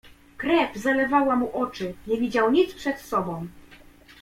"Krew zalewała mu oczy, nie widział nic przed sobą."